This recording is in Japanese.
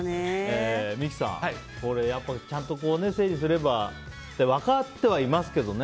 三木さんちゃんと整理すればって分かってはいますけどね。